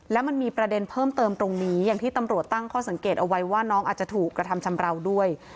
แล้วมันมีประเด็นเพิ่มเติมตรงนี้อย่างที่ตำรวจตั้งข้อสังเกตเอาไว้ว่าน้องอาจจะถูกกระทำชำราวด้วย